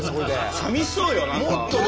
さみしそうよ何か。